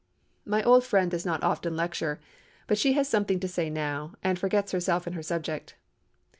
My old friend does not often lecture, but she has something to say now, and forgets herself in her subject.